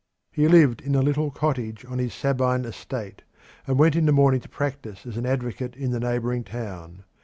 He lived in a little cottage on his Sabine estate, and went in the morning to practise as an advocate in the neighbouring town.